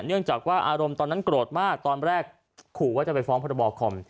เนื่องจากว่าอารมณ์ตอนนั้นโกรธมากตอนแรกขู่ว่าจะไปฟ้องพระบอคอม